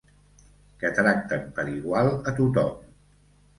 Que tracten per igual a tothom.